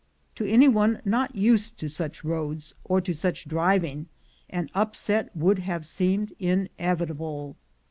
To any one not used to such roads or to such driving, an upset would have seemed inevitable.